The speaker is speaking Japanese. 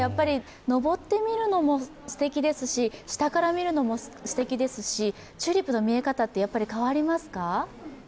上ってみるのもすてきですし、下から見るのもすてきですしチューリップの見え方ってやっぱり変わりますか？